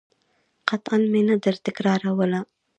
قطعاً مې نه درتکراروله.